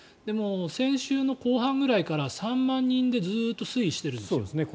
先週の後半ぐらいから３万人でずっと推移しているんですよ。